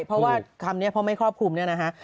เพราะว่าคำนี้เพราะไม่ครอบคลุมเนี่ยนะฮะ